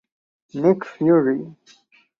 Nick Fury.